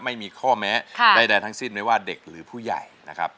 ไม่มีข้อแม้ใดทั้งสิ้นไม่ว่าเด็กหรือผู้ใหญ่นะครับ